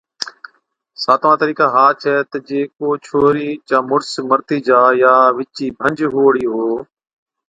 ساتوان طريقا ھا ڇَي تہ جي ڪو ڇوھِرِي چا مُڙس مرتِي جا يان وِچِي ڀنج ھُووڙِي ھُوو،